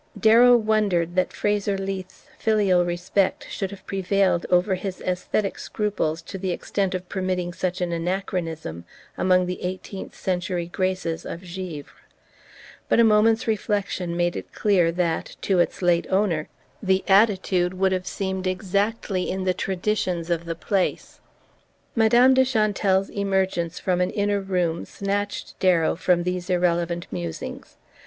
Darrow wondered that Fraser Leath's filial respect should have prevailed over his aesthetic scruples to the extent of permitting such an anachronism among the eighteenth century graces of Givre; but a moment's reflection made it clear that, to its late owner, the attitude would have seemed exactly in the traditions of the place. Madame de Chantelle's emergence from an inner room snatched Darrow from these irrelevant musings.